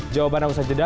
jawaban yang usah jeda